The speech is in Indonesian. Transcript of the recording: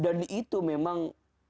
dan itu memang